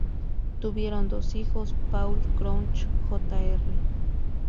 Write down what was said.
Tuvieron dos hijos, Paul Crouch, Jr.